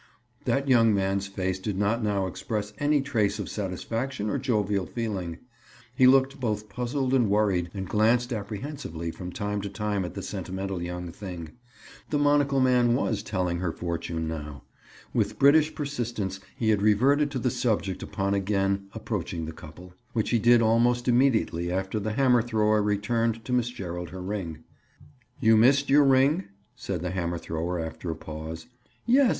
That young man's face did not now express any trace of satisfaction or jovial feeling. He looked both puzzled and worried, and glanced apprehensively from time to time at the sentimental young thing. The monocle man was telling her fortune now. With British persistence he had reverted to the subject upon again approaching the couple, which he did almost immediately after the hammer thrower returned to Miss Gerald her ring. "You missed your ring?" said the hammer thrower after a pause. "Yes.